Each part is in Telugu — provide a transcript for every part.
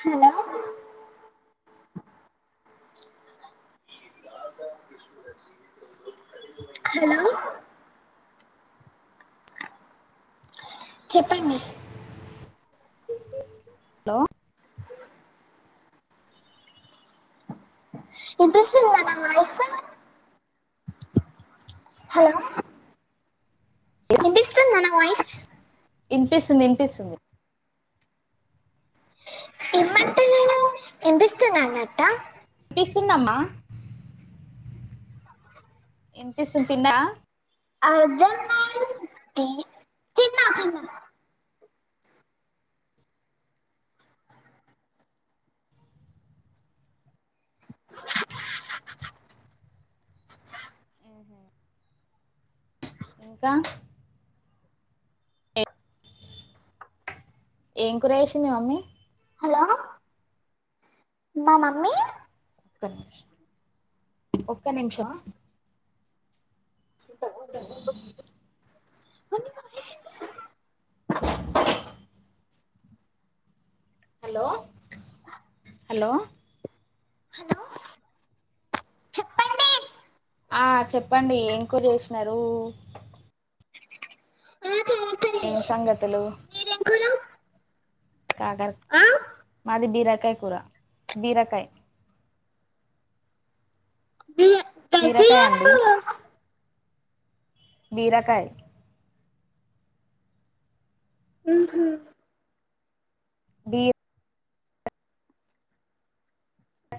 హలో హలో చెప్పండి హలో వినిపిస్తుందా నా వాయిస్ హలో వినిపిస్తుంది నా వాయిస్ వినిపిస్తుంది వినిపిస్తుంది ఎనిపిస్తున్నాన్న అట్ట వినిపిస్తుంమ్మ ఎనిపిస్తు తిన్నా అ జన్మ ఆహ ఇంకా ఏం కూర చేసింది మీ మమ్మీ హలో మా మమ్మీ ఒక్క నిమిషం ఒక్క నిమిషం వాయిస్ హలో హలో హలో చెప్పండి ఆ చెప్పండి ఎం కూర చేసినారు ఆ కరెక్ట్ ఏం చేసింది సంగతులు మీరేం కూర కాకర్ ఆ మాది బీరకాయ కూర బీరకాయ బియ్య బీరకాయ అండి దద్దోజనపు బీరకాయ బి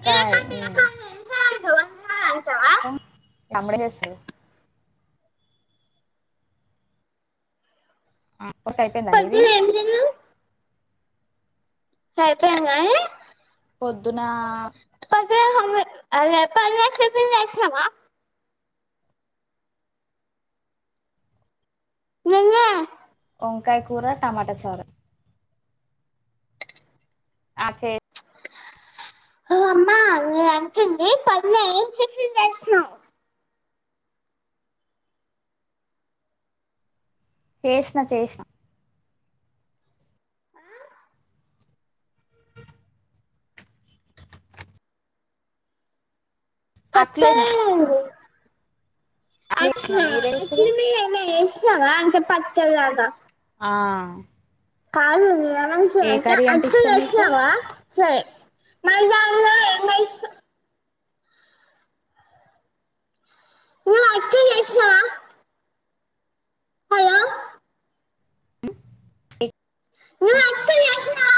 బియ్య కట్టు మ్ ఏం చారు అంటావా ఇంకా తమ్ముడు ఏం చేస్తుండు ఆ కొత్ అయిపోయింద నిది పొద్దున ఏం తిన్నావు సరిపోఇంది కని పొద్దున అదే పక్షషమా నిన్నే వంకాయ కూర టమాటా చరు అ చే అంటంది పద్నా ఏం చె చేసా చేసిన చేసిన సత్త అట్లేసిన అట్లా చేసిన అట్నా మీరే చేసిరు అక్చ్చుఅల్లి మీరు ఏమన్న చేస్తనవా అచ్ పచ్చళ్ళగ ఆ కాదు నీను ఏమంటున్న ఏ అంటే కర్రీ అచ్చే ఇష్టం మీకు చేసినవా సే మసలలో ఏమేస్తావ్ నువ్ అట్లు చేసినవా ఎ నువ్వు అట్లు చేసినావా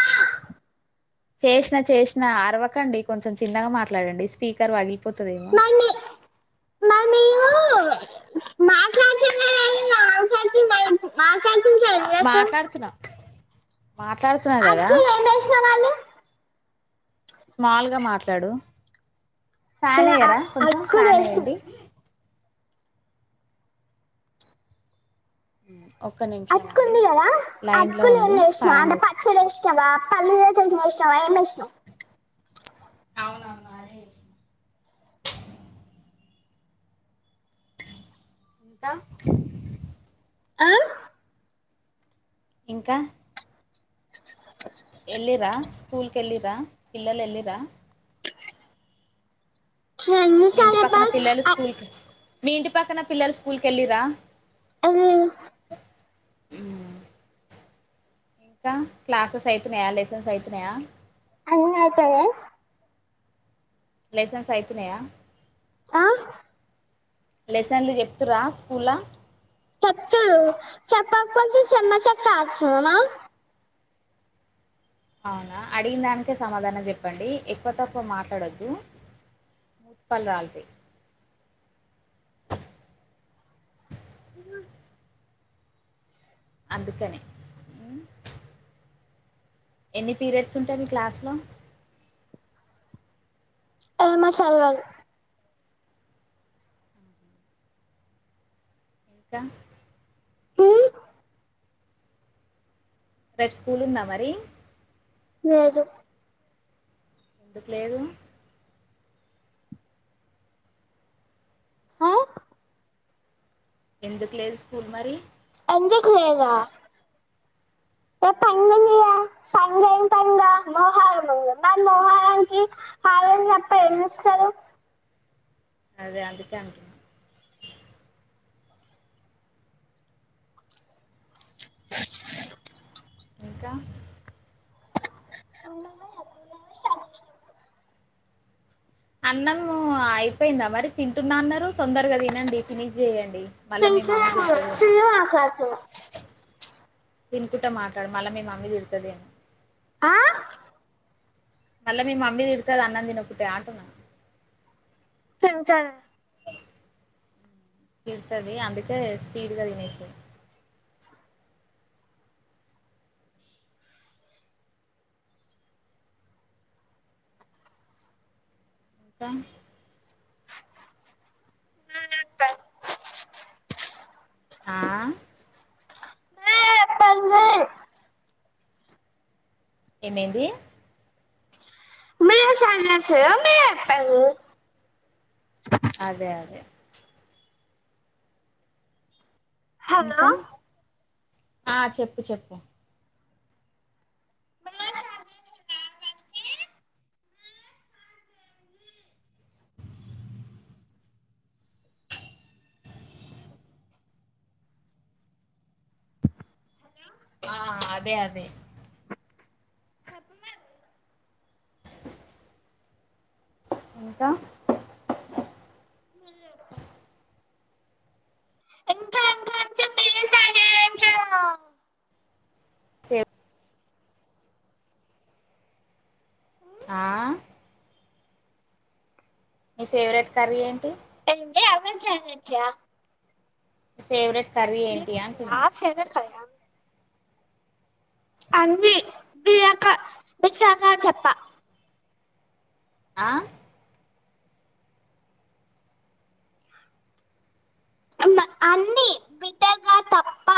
చేసినా చేసినా అరవకండి కొంచెం చిన్నగా మాట్లాడండి స్పీకర్ పగిలి పోతదేమో మమ్మీ మరియు [unintelligible] చేస్తారు మాట్లాడుతున్నా మాట్లాడుతున్నా కదా అక్కు ఏం చేసిన వాళ్ళు స్మాల్గా మాట్లాడు ఫ్యాన్ సరే ఎయ్యరా కొంచెం అక్కులు ఫ్యాన్ వేసిన ఎయండి అ అకుంది కదా లో అటుకులు ఏం ఉండు వేసినా ఫ్యాన్ అంటే పచ్చడి వేసుకుంటా ఏసీనవా పల్ మచ్ ఏశినవా ఎం ఏషినవ్ అవునవును అదే ఏశిన ఇంకా ఆ ఇంకా ఎల్లిర్ర స్కూల్ కేళ్ళిర్రా పిల్లలు ఎళ్లిర్ర ఎన్ని మీ సార్లు ఇంటి పక్కన చెప్పాలి? పిల్లలు అ- స్కూల్ క్ మీ ఇంటి పక్కన పిల్లలు స్కూల్ కేల్లిర్ర అది మ్ ఇంకా క్లాసెస్ అయితున్నాయా లెసన్స్ అయితున్నాయా అన్ని అయిపోనయ్ లైసెన్స్ అయితునాయా? ఆ లెసన్లు చెప్తుార స్కూల? తత్ చెప్పప్ప చెమ్మచ కాసమా అవునా అడిగిన దానికే సమాధానం చెప్పండి. ఎక్కువ తక్కువ మాట్లాడొద్దు. మూ పల్ రాలతాయ్ హ అందుకనే ఎన్ని పీరియడ్స్ ఉంటాయి మీ క్లాస్లో? ఏమా చల్వాలు ఇంకా ఊ రేపు స్కూల్ ఉందా మరి? లేేదు ఎందుకు లేదు? హా ఎందుకు లేదు స్కూల్ మరి? ఎందుకు లేద ఏ ఆ, పంగలియ పంగే పంగా మోహాల మోహాలనికి పాలప్ప ఏం ఇస్తారు అదే అందుకే అంటున్న ఇంకా [inaudible] అన్నం అయిపోయిందా మరి తింటున్నా అన్నారు తొందరగా తినండి ఫినిష్ చేయండి. మళ్ళా మీ మమ్మీ తిడుతదేమో తినుకుంటా మాట్లాడు మళ్ళా మీ మమ్మీ తిడుతుదేమొ ఆ మళ్ళా మీ మమ్మీ తిడుతాది అన్నం తినకపొతే అంటున్నా. పెంచారు ఏంటవి అందుకే స్పీడ్ గా తినేసింది. ఇంక నా నాంత ఆ ఆ ఎప్పంది ఏందెంది మియా సన్నాసయ మీరే ఎప్పారు. చెప్పాలి హలో ఇంకా ఆ చెప్పు చెప్పు హలో ఆ అదే అదే కర్మ ఇంకా మప్ప ఇంకా ఇంకా [unintelligible] ఎం చేయాలో చే ఆ మీ ఫేవరెట్ కర్రీ ఏంటి ఏందీ ఏమైజాన్ నుంచా ఫేవరెట్ కర్రీ ఏంటి అంటున్నా నా సరే కదా అంది బిరకయ్ నిజముగా చెప్ప ఆ అన్ని బిడగా తప్ప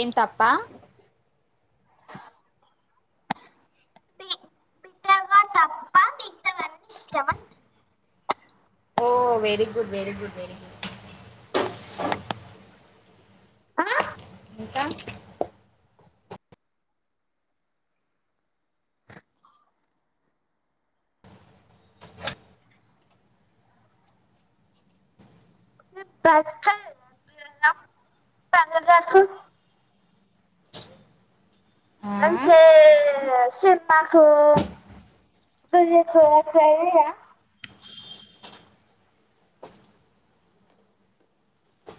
ఎం తప్ప బి- [unintelligible] తప్ప మిగతవన్ని ఇష్టమన్ ఓ very good very good very good ఆ ఇంకా [unintelligible] ఆ అంటే సినిమాకు తజ చోర చ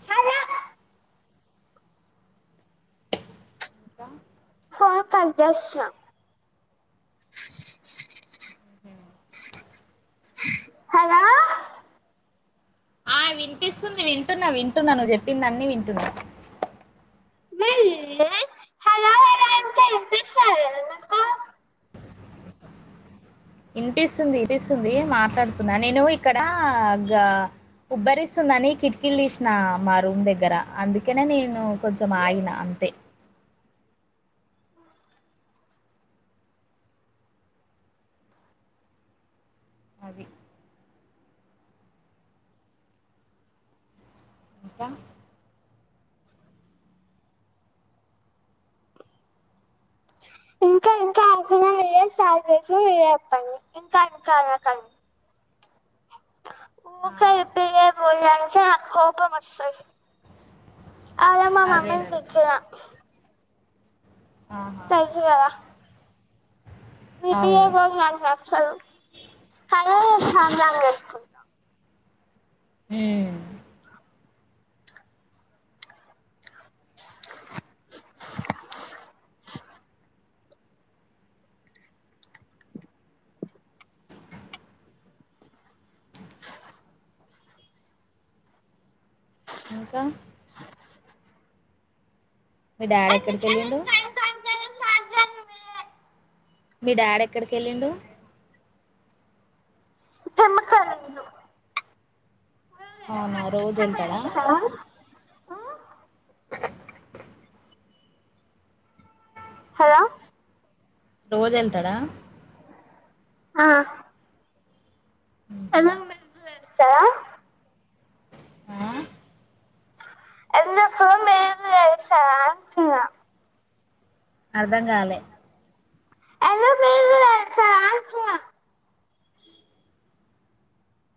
హలో ఇంకా ఫోన్ కట్ చేస్తున్న హలో ఆ వినిపిస్తుంది వింటున్నా వింటున్నా నువ్వు చెప్పిందన్నిీ వింటున్నా హలో అని అంటే వినిపిస్తా లేదా నీకు ఇనిపిస్తుంది ఇనిపిస్తుంది మాట్లాడుతున్నా నేను ఇక్కడ ఆ గ ఉబ్బరిస్తుందని కిటికీలు ఇసిన మా రూమ్ దగ్గర అందుకనే నేను కొంచెం ఆగిన అంతే అది ఇంకా [unintelligible] ఇంకా ఇంకా అనకండి ఆ, ఊకె [unintelligible] అంటే నాకు కోపం వస్తది [unintelligible] మా మమ్మీని అదేనా గిచ్చిన ఆహా తెలుసు కదా అవును అసలు కని [unintelligible] ఉమ్. ఇంకా మీ డాడీ ఎక్కడికేళ్ళిండు మీ డాడీ ఎక్కడికేల్లిండు జమ్మసాలి ఎల్లిండు అవునా రోజు వెళ్తాడా హలో రోజె ళ్తాడా ఆ ఉహు. అలా ఆ చేస్తారా అంటున్నా అర్ధం కాలె ఎందుకు మీరు చేస్తారా అంటున్నా